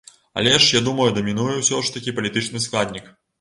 Але ж, я думаю, дамінуе ўсё ж такі палітычны складнік.